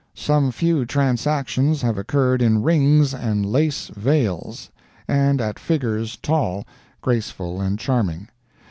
Some few transactions have occurred in rings and lace veils, and at figures tall, graceful and charming.